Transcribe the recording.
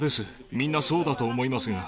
みんなそうだと思いますが。